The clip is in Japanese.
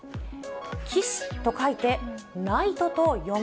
騎士と書いて、ナイトと読む。